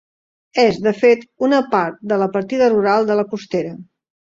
És, de fet, una part de la partida rural de la Costera.